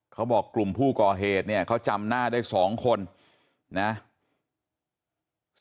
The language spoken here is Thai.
เขาบอกกลุ่มผู้ก่อเหตุเนี่ยเขาจำหน้าได้๒คนนะ